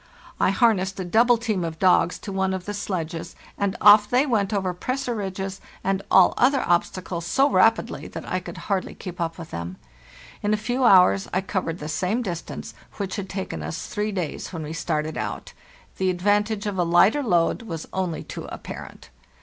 I harnessed a double team of dogs to one of the sledges, and off they went over pressure ridges and all other obstacles so WE MAKE A START 107 rapidly that I could hardly keep up with them. In a few hours I covered the same distance which had taken us three days when we started out. The advantage of a lighter load was only too apparent.